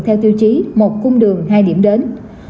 theo tiêu chí một cung đường hai điểm đến